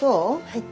はい。